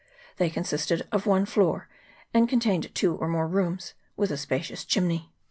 They consisted of one floor, and contained two or more rooms, with a spacious chimney.